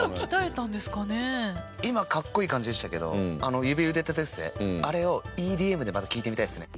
今格好いい感じでしたけどあの指腕立て伏せあれをＥＤＭでまた聴いてみたいですね。